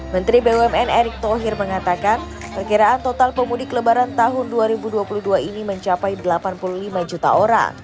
menteri bumn erick thohir mengatakan perkiraan total pemudik lebaran tahun dua ribu dua puluh dua ini mencapai delapan puluh lima juta orang